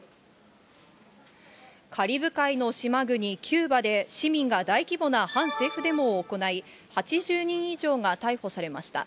カリブ海の島国、キューバで市民が大規模な反政府デモを行い、８２人以上が逮捕されました。